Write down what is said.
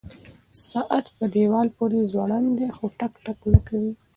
ساعت په دیوال پورې ځوړند دی خو ټک ټک نه کوي.